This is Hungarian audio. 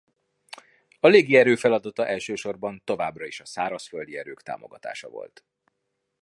A légierő feladata elsősorban továbbra is a szárazföldi erők támogatása volt.